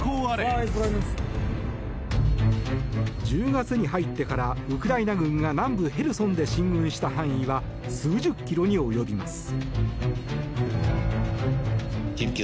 １０月に入ってからウクライナ軍が南部ヘルソンで進軍した範囲は数十キロに及びます。